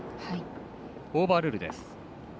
オーバールールです。